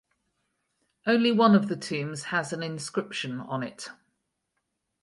Only one of the tombs has an inscription on it.